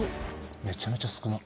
めちゃめちゃ少ない。